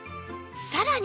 さらに